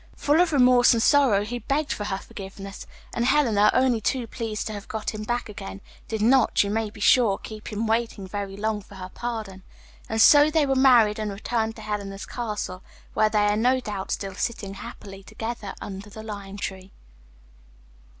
Full of remorse and sorrow, he begged for her forgiveness, and Helena, only too pleased to have got him back again, did not, you may be sure, keep him waiting very long for her pardon, and so they were married and returned to Helena's castle, where they are no doubt still sitting happily together under the lime tree.